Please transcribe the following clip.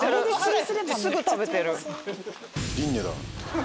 すぐ食べてる。